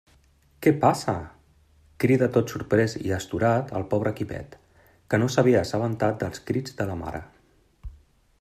Què passa? —crida tot sorprés i astorat el pobre Quimet, que no s'havia assabentat dels crits de la mare.